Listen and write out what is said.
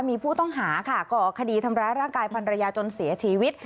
มีผู้ต้องหาค่ะก่อคดีทำร้ายร่างกายพันรยาจนเสียชีวิต